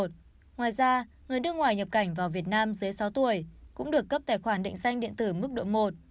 ngoài ra người nước ngoài nhập cảnh vào việt nam dưới sáu tuổi cũng được cấp tài khoản định danh điện tử mức độ một